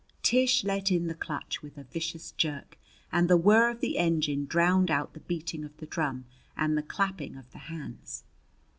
Tish let in the clutch with a vicious jerk, and the whir of the engine drowned out the beating of the drum and the clapping of the hands.